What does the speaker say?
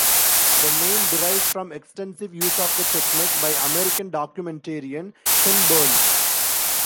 The name derives from extensive use of the technique by American documentarian Ken Burns.